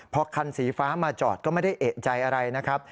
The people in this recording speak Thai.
พอคันสีฟ้ามาจอดก็ไม่ได้เอกใจอะไรนะครับ